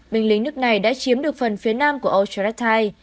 binh lính nước này đã chiếm được phần phía nam của ocherestite